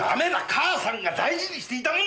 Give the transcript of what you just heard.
母さんが大事にしていたもんだ。